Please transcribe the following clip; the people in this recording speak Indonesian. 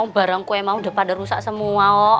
barangku emang udah pada rusak semua